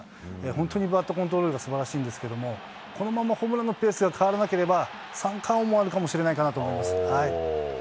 本当にバットコントロールがすばらしいんですけれども、このまま、ホームランのペースが変わらなければ、三冠王もあるかもしれないかなと思います。